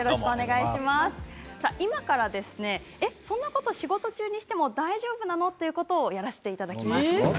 今からそんなこと仕事中にして大丈夫なの？ということをやらせていただきます。